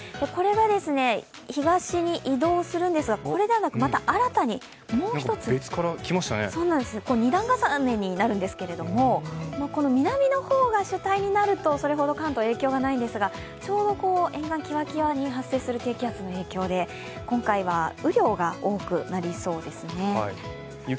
これが東に移動するんですが、これが新たにもう一つ、２段重ねになるんですけれども、南の方が主体になるとそれほど関東は影響ないんですが、ちょうど沿岸際に発生する低気圧の影響で今回は雨量が多くなりそうですね。